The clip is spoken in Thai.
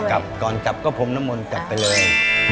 กลับก่อนกลับก็พรมน้ำมนต์กลับไปเลย